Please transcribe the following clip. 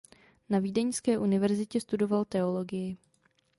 Na Vídeňské univerzitě studoval teologii.